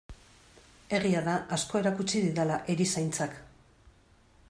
Egia da asko erakutsi didala erizaintzak.